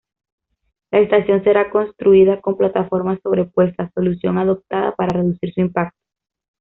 La estación será construida con plataformas sobrepuestas, solución adoptada para reducir su impacto.